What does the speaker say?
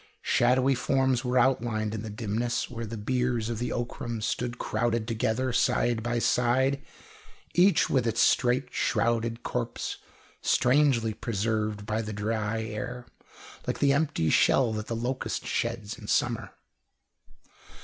Shadowy forms were outlined in the dimness, where the biers of the Ockrams stood crowded together, side by side, each with its straight, shrouded corpse, strangely preserved by the dry air, like the empty shell that the locust sheds in summer.